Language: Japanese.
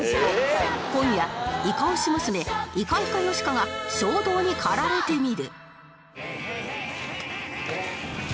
今夜イカ推し娘いかいかよしかが衝動に駆られてみる